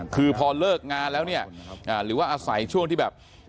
คือพอเลิกงานแล้วเนี่ยหรือว่าอาศัยช่วงที่แบบ